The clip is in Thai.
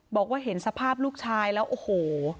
บอกว่าเห็นสภาพลูกชายแล้วโอ้โห